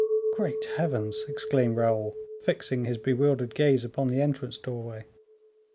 "Great heavens!" exclaimed Raoul, fixing his bewildered gaze upon the entrance doorway.